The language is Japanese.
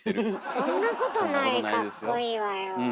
そんなことないかっこいいわよ。